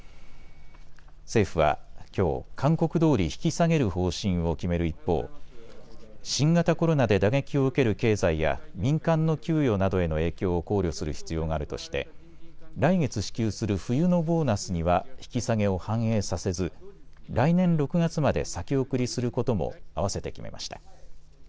政府はきょう、勧告どおり引き下げる方針を決める一方、新型コロナで打撃を受ける経済や民間の給与などへの影響を考慮する必要があるとして来月支給する冬のボーナスには引き下げを反映させず、来年６月まで先送りすることもあわせて決めました。